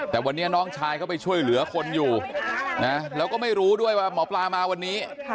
แต่วันนี้น้องชายเข้าไปช่วยเหลือคนอยู่นะแล้วก็ไม่รู้ด้วยว่าหมอปลามาวันนี้